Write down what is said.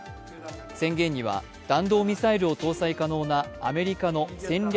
宣言には弾道ミサイルを搭載可能な米国の戦略